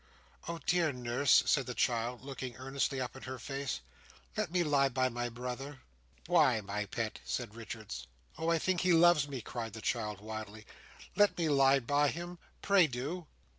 "Oh! dear nurse!" said the child, looking earnestly up in her face, "let me lie by my brother!" "Why, my pet?" said Richards. "Oh! I think he loves me," cried the child wildly. "Let me lie by him. Pray do!"